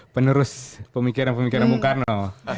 penerus pemikiran pemikiran bung karno